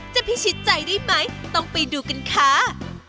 พิชิตใจได้ไหมต้องไปดูกันค่ะ